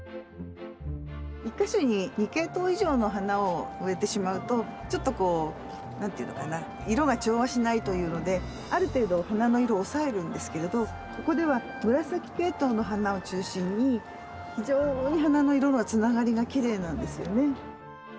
１か所に２系統以上の花を植えてしまうとちょっとこう何ていうのかな色が調和しないというのである程度花の色を抑えるんですけれどここでは紫系統の花を中心に非常に花の色のつながりがきれいなんですよね。